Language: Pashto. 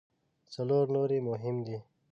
څلور نور یې مهم دي.